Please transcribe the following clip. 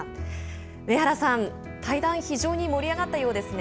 上原さん、対談非常に盛り上がったようですね？